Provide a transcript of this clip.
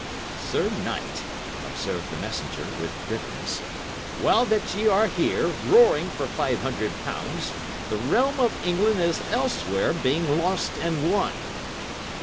"Sir knight," observed the messenger, with bitterness, "while that ye are here, roaring for five hundred pounds, the realm of England is elsewhere being lost and won."